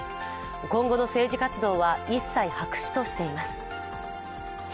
今後の政治活動は一切白紙としていとます。